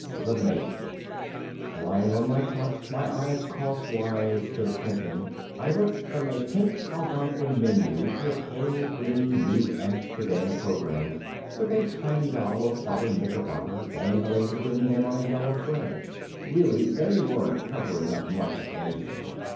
The Maiden Lying on my cot, my eyes crosswise to the printing, I looked from a pink Algonquin menu to a pale green New Amsterdam program, with a tiny doll of Father Knickerbocker dangling between them on a yellow thread. Really they weren't covering up much of anything.